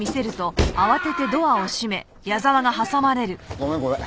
ごめんごめん。